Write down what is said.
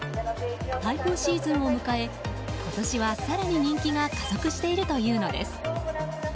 台風シーズンを迎え今年は更に人気が加速しているというのです。